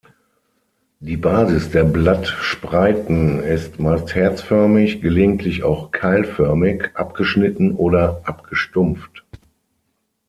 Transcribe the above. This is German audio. Die Basis der Blattspreiten ist meist herzförmig, gelegentlich auch keilförmig, abgeschnitten oder abgestumpft.